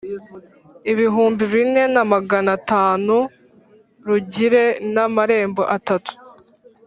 ibihumbi bine na magana atanu rugire n amarembo atatu